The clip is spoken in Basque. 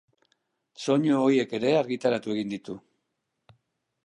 Soinu horiek ere argitaratu egin ditu.